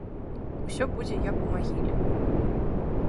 Усё будзе як у магіле.